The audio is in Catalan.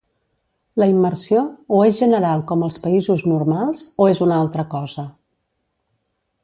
La immersió, o és general com als països normals, o és una altra cosa.